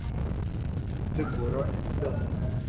gutegura ibizaza